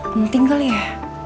penting kali ya